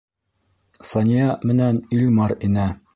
Сания менән Илмар инә.